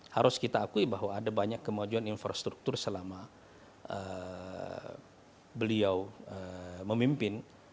harus kita akui bahwa ada banyak kemajuan infrastruktur selama beliau memimpin